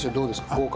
合格？